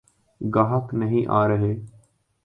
گاہک نہیں آرہے۔